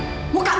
lihat buka mandi